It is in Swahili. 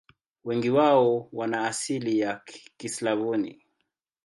Wengi wao wana asili ya Kislavoni.